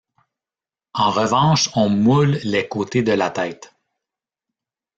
En revanche, on moule les côtés de la tête.